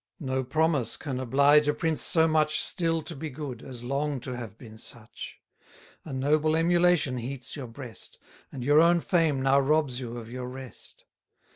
No promise can oblige a prince so much Still to be good, as long to have been such. A noble emulation heats your breast, And your own fame now robs you of your rest.